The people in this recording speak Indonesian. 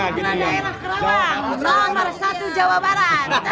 daerah kerawang nomor satu jawa barat